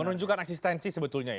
menunjukkan eksistensi sebetulnya ya